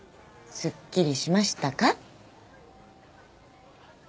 すっきりしましたか？